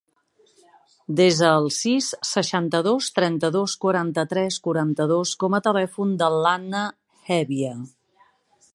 Desa el sis, seixanta-dos, trenta-dos, quaranta-tres, quaranta-dos com a telèfon de l'Anna Hevia.